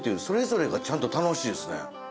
それぞれがちゃんと楽しいですね。